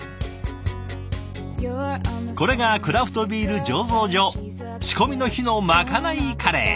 これがクラフトビール醸造所仕込みの日のまかないカレー。